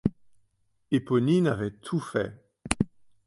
Éponine avait tout fait.